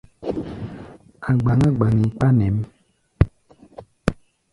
A̧ gbaŋgá gbaŋgi kpa nɛ̌ʼm.